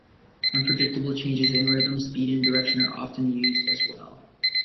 Unpredictable changes in rhythm, speed, and direction are often used, as well.